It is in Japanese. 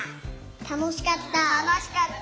たのしかった。